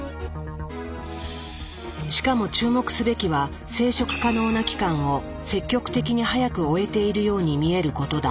しかも注目すべきは生殖可能な期間を積極的に早く終えているように見えることだ。